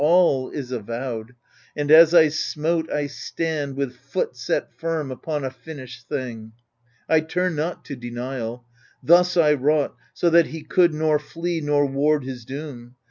All is avowed, and as I smote I stand With foot set firm upon a finished thing ! I turn not to denial : thus I wrought So that he could nor flee nor ward his doom.